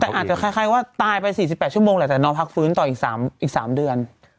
แต่อาจจะคล้ายว่าตายไป๔๘ชั่วโมงแหละแต่นอนพักฟื้นต่ออีก๓เดือน